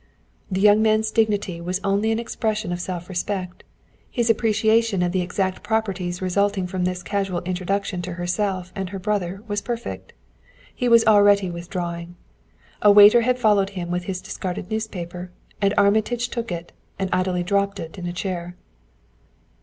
The young man's dignity was only an expression of self respect; his appreciation of the exact proprieties resulting from this casual introduction to herself and her brother was perfect. He was already withdrawing. A waiter had followed him with his discarded newspaper and Armitage took it and idly dropped it on a chair.